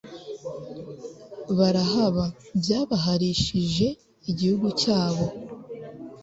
barahaba ryabahalishije igihugu cyabo